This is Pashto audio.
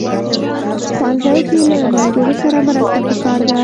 ښوونځی کې له ملګرو سره مرسته پکار ده